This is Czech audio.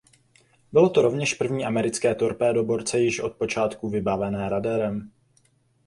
Byly to rovněž první americké torpédoborce již od počátku vybavené radarem.